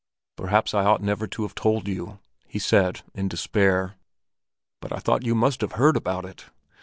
"Perhaps I ought never to have told you," he said in despair. "But I thought you must have heard about it.